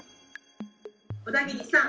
小田切さん